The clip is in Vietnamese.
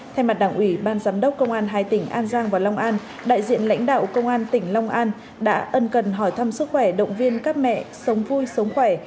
thay mặt đảng ủy ban giám đốc công an hai tỉnh an giang và long an đại diện lãnh đạo công an tỉnh long an đã ân cần hỏi thăm sức khỏe động viên các mẹ sống vui sống khỏe